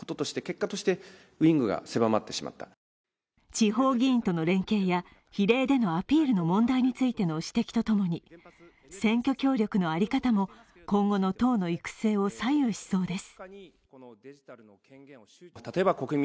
地方議員との連携や比例でのアピールの問題についての指摘とともに選挙協力の在り方も今後の党の行く末を左右しそうです。